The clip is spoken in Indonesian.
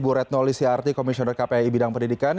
ibu retno lisiarti komisioner kpi bidang pendidikan